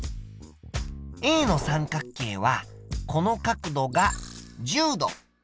Ａの三角形はこの角度が１０度。